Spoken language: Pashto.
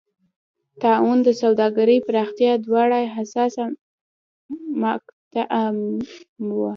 طاعون او د سوداګرۍ پراختیا دواړه حساسه مقطعه وه.